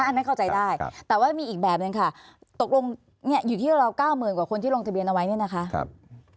อันนั้นเข้าใจได้แต่ว่ามีอีกแบบนั้นค่ะตกลงอยู่ที่ระอบเก้าหมื่นกว่าคนที่ทะเบียนเอาไว้เนี่ยนะครับ